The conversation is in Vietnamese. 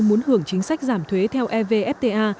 muốn hưởng chính sách giảm thuế theo evfta